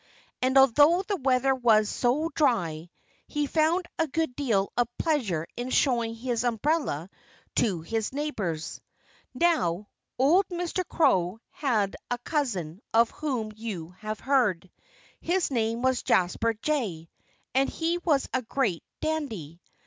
And although the weather was so dry, he found a good deal of pleasure in showing his umbrella to his neighbors. Now, old Mr. Crow had a cousin of whom you have heard. His name was Jasper Jay; and he was a great dandy.